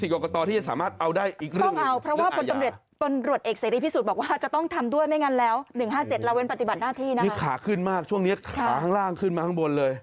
ขาข้างล่างขึ้นมาข้างบนเลย